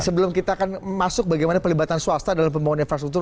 sebelum kita akan masuk bagaimana pelibatan swasta dalam pembangunan infrastruktur